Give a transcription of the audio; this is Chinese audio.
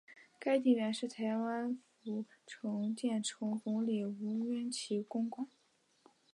该地原是台湾府城建城总理吴鸾旗公馆。